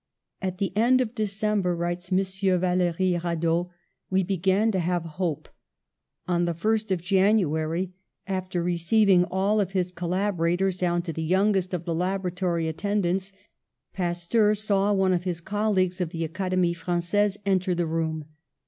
"At the end of December," writes M. Vallery Radot, "we began to have hope. On the 1st of January, after receiving all of his collaborators down to the youngest of the laboratory attend ants, Pasteur saw one of his colleagues of the Academie Frangaise enter the room.